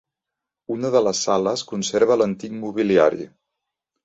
Una de les sales conserva l'antic mobiliari.